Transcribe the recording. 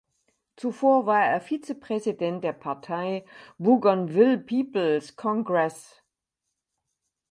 Zuvor war er Vizepräsident der Partei "Bougainville People's Congress".